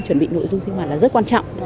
chuẩn bị nội dung sinh hoạt là rất quan trọng